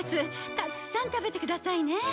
たくさん食べてくださいね。